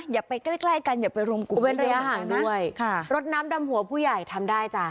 อย่าไปใกล้ใกล้กันอย่าไปรวมกลุ่มเว้นระยะห่างด้วยค่ะรถน้ำดำหัวผู้ใหญ่ทำได้จ้ะ